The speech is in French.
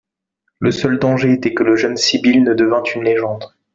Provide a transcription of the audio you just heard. Le seul danger était que la jeune sibylle ne devînt une légende.